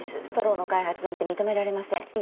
ストローの開発なんて認められません。